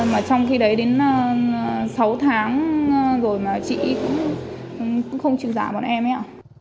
mà trong khi đấy đến sáu tháng rồi mà chị cũng không trừ giả bọn em ấy ạ